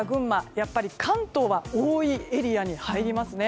やっぱり関東は多いエリアに入りますね。